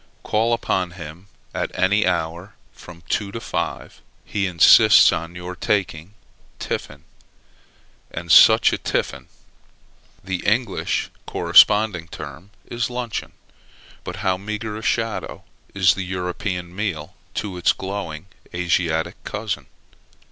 Call upon him at any hour from two to five, he insists on your taking tiffin: and such a tiffin! The English corresponding term is luncheon: but how meagre a shadow is the European meal to its glowing Asiatic cousin!